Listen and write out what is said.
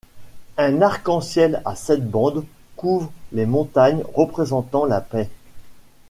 Un arc en ciel à sept bandes couvre les montagnes représentant la paix.